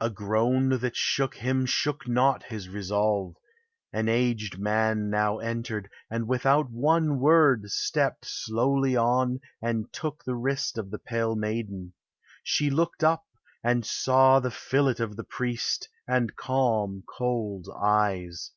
A groan that shook him shook not his resolve. An aged man now entered, and without One word stepped slowly on, and took the wrist Of the pale maiden. She looked up, and saw The fillet of the priest and calm, cold eyes.